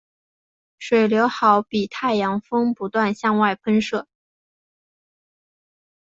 水流好比太阳风不断向外喷射。